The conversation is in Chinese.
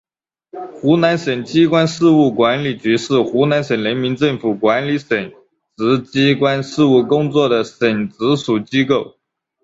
湖南省机关事务管理局是湖南省人民政府管理省直机关事务工作的省直属机构。